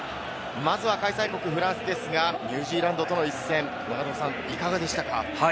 まずは開催国フランス、ニュージーランドとの一戦、永友さん、いかがでしたか？